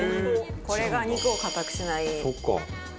これが肉を硬くしないコツ。